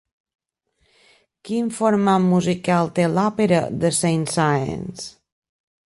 Quin format musical té l'òpera de Saint-Saëns?